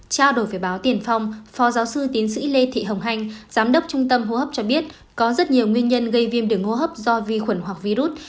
trao đổi với báo tiền phong phó giáo sư tiến sĩ lê thị hồng hanh giám đốc trung tâm hô hấp cho biết có rất nhiều nguyên nhân gây viêm đường hô hấp do vi khuẩn hoặc virus